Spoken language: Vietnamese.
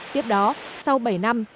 tiếp đó sau bảy năm